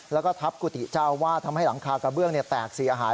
แล้วก็ทับกุฏิเจ้าอาวาสทำให้หลังคากระเบื้องแตกเสียหาย